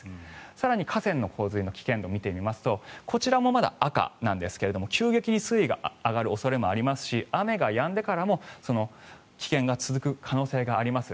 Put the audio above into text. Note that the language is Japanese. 更に河川の危険度を見るとこちらはまだ青なんですが急激に水位が上がる恐れがありますし雨がやんでからも危険が続く可能性があります。